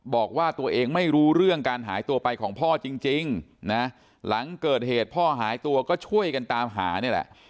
บอกว่าตัวเองไม่รู้เรื่องการหายตัวไปของพ่อจริงนะหลังเกิดเหตุพ่อหายตัวก็ช่วยกันตามหานี่แหละ